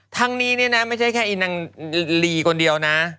ทั้งนี้เนี่ยนะไม่ใช่แค่อีนางลีคนเดียวนะ